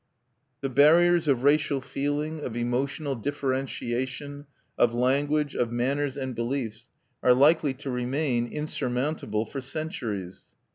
The barriers of racial feeling, of emotional differentiation, of language, of manners and beliefs, are likely to remain insurmountable for centuries.